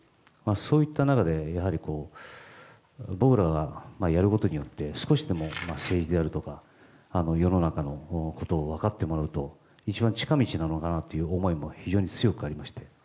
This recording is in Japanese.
そういった中で僕らがやることによって少しでも政治であるとか世の中のことを分かってもらうと一番近道なのかなという思いも非常に強くありまして。